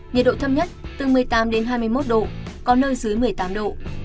nhiệt độ thấp nhất từ một mươi tám đến hai mươi một độ có nơi dưới một mươi tám độ